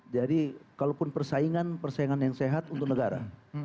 jadi kalaupun persaingan persaingan yang sehat untuk negara